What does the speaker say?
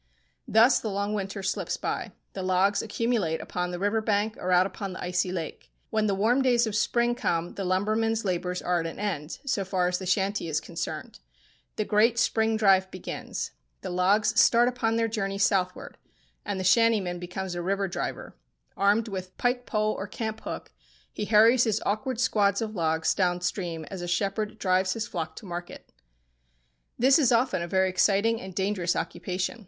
Thus the long winter slips by. The logs accumulate upon the river bank or out upon the icy lake. When the warm days of spring come the lumberman's labours are at an end, so far as the shanty is concerned. The great spring drive begins. The logs start upon their journey southward, and the shantyman becomes a river driver. Armed with pike pole or camp hook, he hurries his awkward squads of logs down stream as a shepherd drives his flock to market. This is often a very exciting and dangerous occupation.